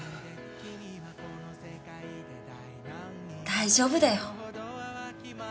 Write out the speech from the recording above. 大丈夫だよ。